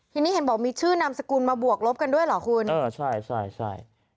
ทีนี้เห็นบอกมีชื่อนามสกุลมาบวกลบกันด้วยเหรอคุณเออใช่ใช่